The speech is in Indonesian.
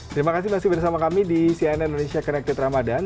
terima kasih masih bersama kami di cnn indonesia connected ramadan